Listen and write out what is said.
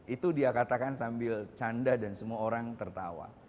itu dia katakan sambil canda dan semua orang tertawa